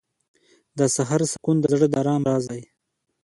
• د سهار سکون د زړه د آرام راز دی.